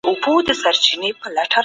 شافعي او حنبلي فقهاوو پر دې اتفاق کړی دی.